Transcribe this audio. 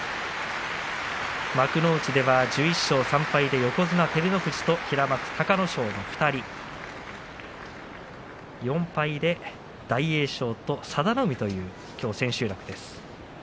幕内では１１勝３敗で横綱照ノ富士と平幕隆の勝の２人４敗で大栄翔と佐田の海というきょう千秋楽です。